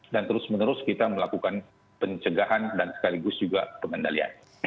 dan terus menerus kita melakukan pencegahan dan sekaligus juga kemendalian